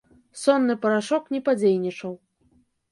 Сонны парашок не падзейнічаў.